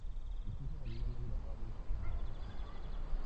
Existen algunos grabados rupestres.